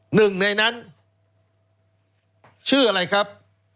หนึ่งในนั้นชื่ออะไรครับ